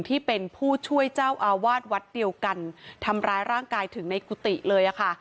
ที่เป็นผู้ช่วยเจ้าอาวาสวัดเดียวกันทำร้ายร่างกายถึงในกุฏิเลยอะค่ะ